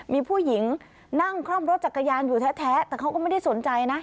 มีผู้หญิงนั่งคล่อมรถจักรยานอยู่แท้แต่เขาก็ไม่ได้สนใจนะ